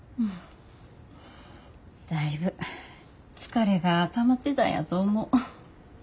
だいぶ疲れがたまってたんやと思う。